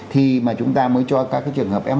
thì mà chúng ta mới cho các trường hợp f một